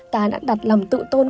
ta đã đặt lầm tự tôn trọng